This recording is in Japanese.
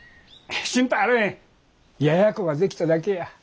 心配あれへん。ややこができただけや。